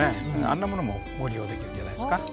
あんなものもご利用できるんじゃないですか？